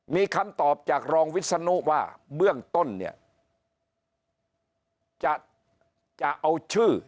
มีคำตอบจากรองวิศนุว่าเบื้องต้นเนี่ยจะเอาชื่อ